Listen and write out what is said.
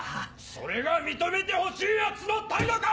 それが認めてほしいヤツの態度か！